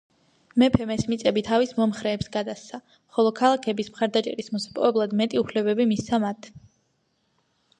მეფემ ეს მიწები თავის მომხრეებს გადასცა, ხოლო ქალაქების მხარდაჭერის მოსაპოვებლად, მეტი უფლებები მისცა მათ.